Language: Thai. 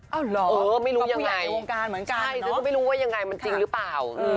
เอ้าเหรอก็ผู้ใหญ่ในวงการเหมือนกันเนอะใช่ไม่รู้ว่ายังไงมันจริงหรือเปล่า